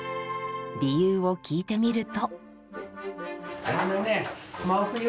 理由を聞いてみると。